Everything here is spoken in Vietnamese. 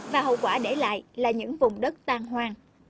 và hậu quả để lại là những vùng đất tan hoang